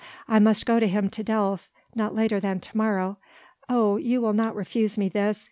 "I must go to him to Delft not later than to morrow. Oh! you will not refuse me this